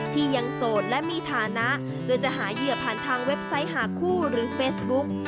ที่ยังโสดและมีฐานะโดยจะหาเหยื่อผ่านทางเว็บไซต์หาคู่หรือเฟซบุ๊ก